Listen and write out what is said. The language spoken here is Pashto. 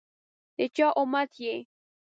دچا اُمتي يی؟